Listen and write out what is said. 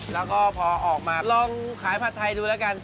แล้วก็พอออกมาลองขายผัดไทยดูแล้วกัน